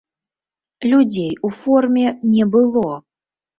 Людзей у форме не было.